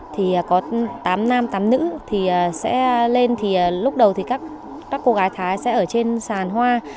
thì có tám nam tám nữ thì sẽ lên thì lúc đầu thì các cô gái thái sẽ ở trên sàn hoa